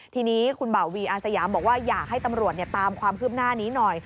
ทีนี้คุณบ่าวีอาสยามบอกว่าอยากให้ตำรวจตามความคืบหน้านี้หน่อย